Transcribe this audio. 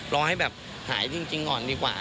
รอให้แบบหายจริงก่อนดีกว่า